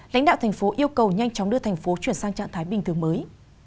lãnh đạo thành phố yêu cầu nhanh chóng đưa thành phố chuyển sang trạng thái bình thường mới